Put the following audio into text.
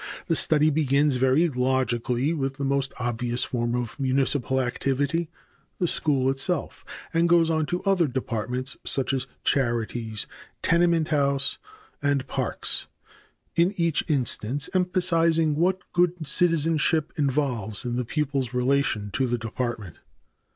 The study begins very logically with the most obvious form of municipal activity, the school itself, and goes on to other departments, such as charities, tenement house, and parks, in each instance emphasizing what good citizenship involves in the pupil's relation to the department.